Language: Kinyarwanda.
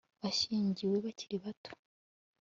Bashyingiwe bakiri bato